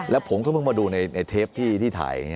แล้วผมก็เพิ่งมาดูในเทปที่ถ่าย